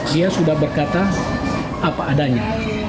dia sudah berkata apa adanya